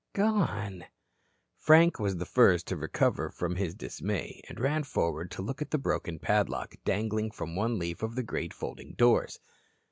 "Gone." Frank was the first to recover from his dismay and ran forward to look at the broken padlock, dangling from one leaf of the great folding doors.